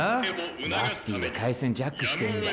マフティーが回線ジャックしてんだよ。